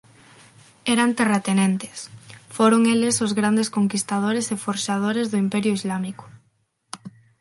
Eran terratenentes. Foron eles os grandes conquistadores e forxadores do Imperio Islámico.